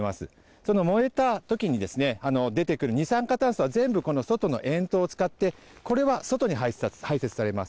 その燃えたときに、出てくる二酸化炭素は、全部外の円筒を使って、これは外に排せつされます。